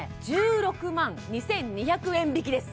１６万２２００円引きです